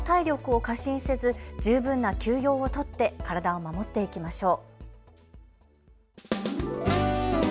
自分の体力を過信せず十分な休養を取って体を守っていきましょう。